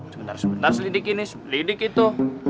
sebentar sebentar selidik ini selidik itu